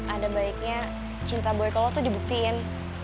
ada baiknya cinta boy ke lo tuh dibuktiin